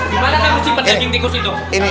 gimana kamu simpen daging tikus itu